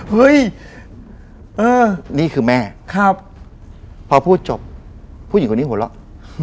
เฮ้ยนี่คือแม่พอพูดจบผู้หญิงคนนี้หัวเลาะ